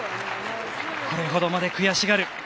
これほどまで悔しがる。